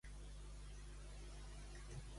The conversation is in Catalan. Els que són guapos només són guapos.